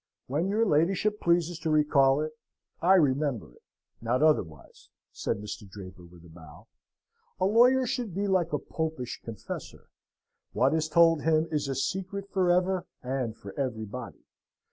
"When your ladyship pleases to recall it, I remember it not otherwise," says Mr. Draper, with a bow. "A lawyer should be like a Popish confessor, what is told him is a secret for ever, and for everybody."